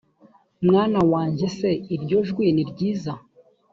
mwana wanjye ese iryo jwi ni ryiza